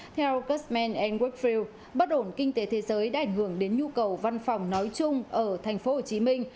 theo custman wafield bất ổn kinh tế thế giới đã ảnh hưởng đến nhu cầu văn phòng nói chung ở thành phố hồ chí minh